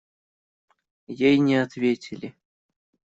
Ей не ответили.